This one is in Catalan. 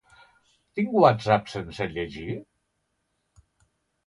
Tinc whatsapps sense llegir?